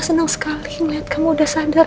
senang sekali ingat kamu udah sadar